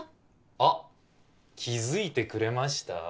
あっ気づいてくれました？